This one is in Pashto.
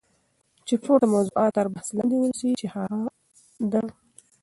چی پورته موضوعات تر بحث لاندی ونیسی چی هغه د